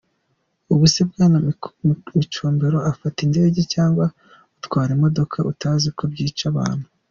Ubu se Bwana Micombero ufata indege cyangwa utwara imodoka utazi ko byica abantu ?